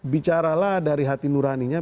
bicaralah dari hati nuraninya